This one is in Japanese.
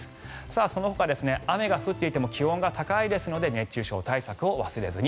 そのほか、雨が降っていても気温が高いですので熱中症対策を忘れずに。